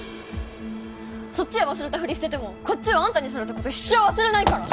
そっちは忘れたふりしててもこっちはあんたにされた事一生忘れないから！